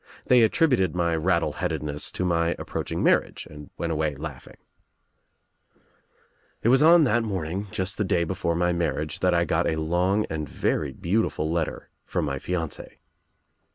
They attributed my rattle headedness to my approaching marriage and went away laughing. THE OTHER WOMAN "It was on that morning, just the day before my I marriage, that I got a long and very beautiful letter I from my fiancee.